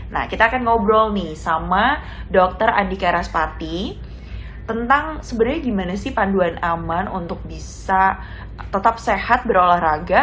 nah kita akan ngobrol nih sama dokter andika raspati tentang sebenarnya gimana sih panduan aman untuk bisa tetap sehat berolahraga